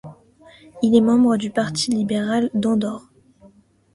Il est membre du parti liberal d'Andorre.